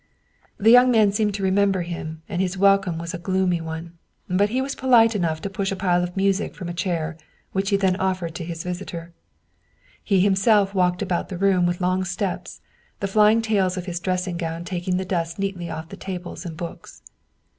The young man seemed to remember him, arid his wel come was a gloomy one. But he was polite enough to push a pile of music from a chair, which he then offered to his visitor. He himself walked about the room with long steps, the flying tails of his dressing gown taking the dust neatly off the tables and books.